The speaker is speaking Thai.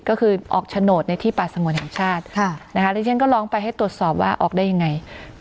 ก็คือออกโฉนดในที่ป่าสงวนแห่งชาติแล้วฉันก็ร้องไปให้ตรวจสอบว่าออกได้ยังไง